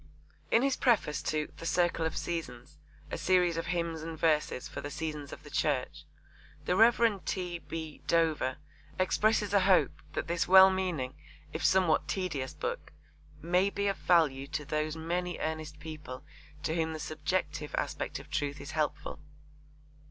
In his preface to The Circle of Seasons, a series of hymns and verses for the seasons of the Church, the Rev. T. B. Dover expresses a hope that this well meaning if somewhat tedious book 'may be of value to those many earnest people to whom the subjective aspect of truth is helpful.'